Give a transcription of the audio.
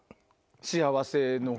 幸せの鐘。